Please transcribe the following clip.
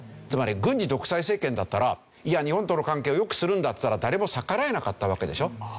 つまり軍事独裁政権だったらいや日本との関係を良くするんだっつったら誰も逆らえなかったわけでしょ。